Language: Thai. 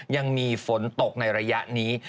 ยังมีฝนตกในระยะนี้